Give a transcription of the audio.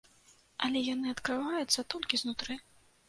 Але яны адкрываюцца толькі знутры.